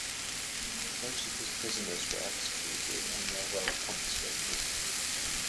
Most of his prisoners were executed and their wealth confiscated.